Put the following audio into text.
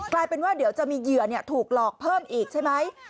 กลายเป็นว่าเดี๋ยวจะมีเหยื่อถูกหลอกเพิ่มอีกใช่ไหม